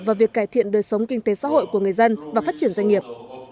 vào việc cải thiện đời sống kinh tế xã hội của người dân và phát triển doanh nghiệp